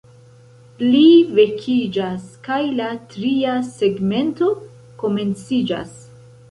Li vekiĝas kaj la tria segmento komenciĝas.